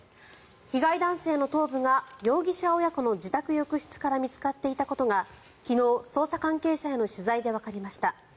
被害男性の頭部が容疑者親子の自宅浴室から見つかっていたことが昨日、捜査関係者への取材でわかりました。